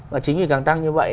và chính vì càng tăng như vậy